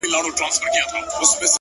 خوار زما د حرکت په هر جنجال کي سته-